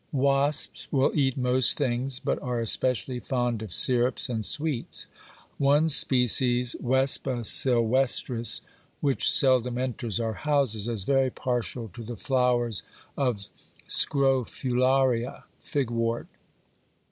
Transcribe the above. Wasps will eat most things, but are especially fond of syrups and sweets. One species, Vespa sylvestris, which seldom enters our houses, is very partial to the flowers of Scrophularia (Figwort).